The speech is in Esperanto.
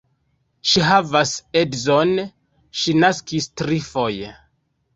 Ŝi havas edzon, ŝi naskis trifoje.